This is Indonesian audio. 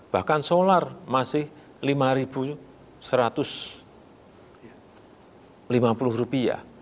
bahkan solar masih lima satu ratus lima puluh rupiah